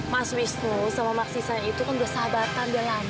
mas wisnu sama maksisanya itu kan udah sahabatan ya ya mas